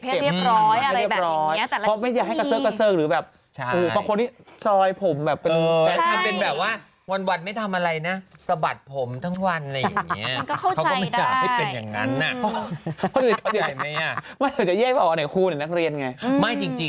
เปียร์เก็บให้เรียบร้อยอะไรแบบนี้